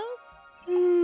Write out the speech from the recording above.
うん。